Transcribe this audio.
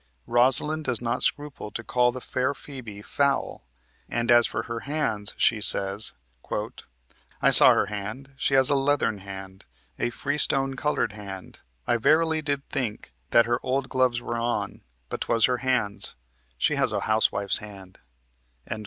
Rosalind does not scruple to call the fair Phebe "foul," and, as for her hands, she says: "I saw her hand; she has a leathern hand, A freestone colored hand; I verily did think That her old gloves were on, but 'twas her hands; She has a housewife's hand."